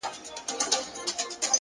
پوه انسان د حقیقت تابع وي